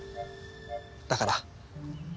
だから。